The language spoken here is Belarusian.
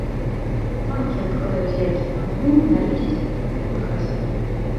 Самкі адкладаюць яйкі па адным на лісце кармавых раслін.